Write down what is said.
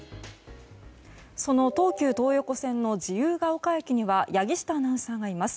その東急東横線の自由が丘駅には柳下アナウンサーがいます。